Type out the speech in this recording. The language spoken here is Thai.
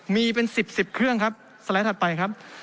มีเป็น๑๐๑๐เครื่องครับสไลด์ถัดไปครับ